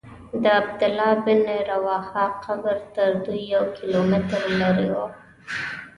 د عبدالله بن رواحه قبر تر دوی یو کیلومتر لرې و.